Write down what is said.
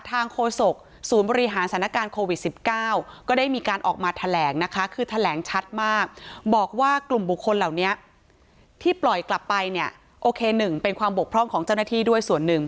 ที่ปล่อยกลับไปเป็นความบกพร่องของเจ้าหน้าที่ด้วยส่วนหนึ่ง